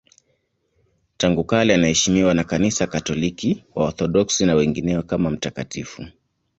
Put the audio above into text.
Tangu kale anaheshimiwa na Kanisa Katoliki, Waorthodoksi na wengineo kama mtakatifu.